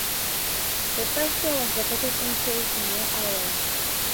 The first store was located in Tilst, near Aarhus.